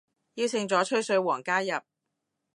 邀請咗吹水王加入